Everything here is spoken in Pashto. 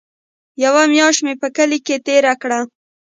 يوه مياشت مې په کلي کښې تېره کړه.